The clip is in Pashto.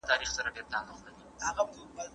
زه له سهاره باغ ته ځم؟!